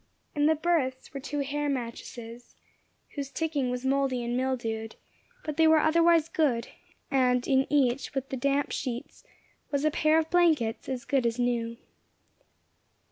In the berths were two hair mattresses, whose ticking was mouldy and mildewed, but they were otherwise good; and in each, with the damp sheets, was a pair of blankets as good as new.